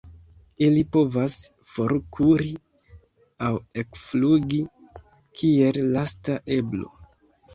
Ili povas forkuri aŭ ekflugi kiel lasta eblo.